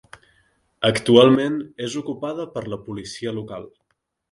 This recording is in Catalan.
Actualment és ocupada per la policia local.